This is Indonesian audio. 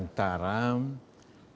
ada korelasi yang pasti antara